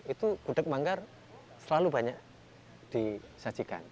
itu gudeg manggar selalu banyak disajikan